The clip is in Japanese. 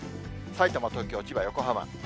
さいたま、東京、千葉、横浜。